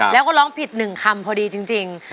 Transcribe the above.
แล้วก็ร้องผิดหนึ่งคำเพราะฉะนั้นน้องวันเพ็ญ